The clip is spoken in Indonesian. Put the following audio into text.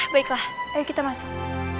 baiklah ayo kita masuk